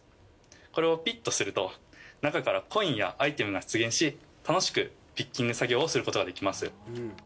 これをピッとすると中からコインやアイテムが出現し楽しくピッキング作業をすることができます。